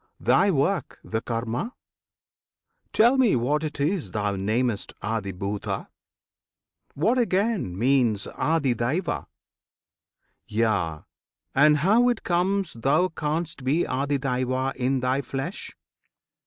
Thy work, the KARMA? Tell me what it is Thou namest ADHIBHUTA? What again Means ADHIDAIVA? Yea, and how it comes Thou canst be ADHIYAJNA in thy flesh?